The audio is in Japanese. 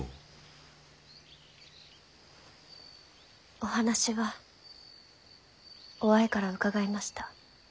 お話は於愛から伺いました。